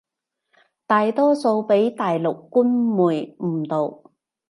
大多數畀大陸官媒誤導